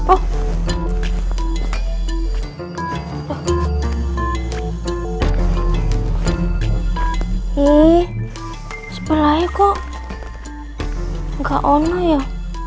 ihh sebelahnya kok ga ada ya